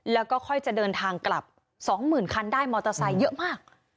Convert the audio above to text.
แล้วก็ค่อยจะเดินทางกลับ๒๐๐๐คันได้มอเตอร์ไซค์เยอะมาก